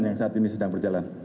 yang saat ini sedang berjalan